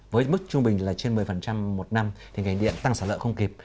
với mức trung bình là trên một mươi một năm thì ngành điện tăng sản lượng không kịp